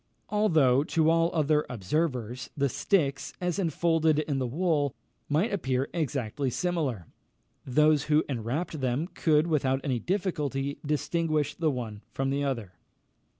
Although, to all other observers, the sticks, as enfolded in the wool, might appear exactly similar, those who enwrapped them could, without any difficulty, distinguish the one from the other.